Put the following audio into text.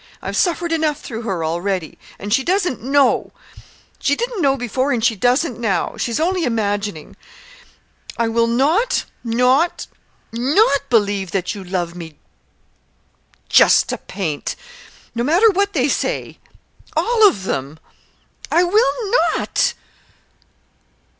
I've suffered enough through her already! And she doesn't know she didn't know before, and she doesn't now. She's only imagining. I will not not not believe that you love me just to paint. No matter what they say all of them! I _will not!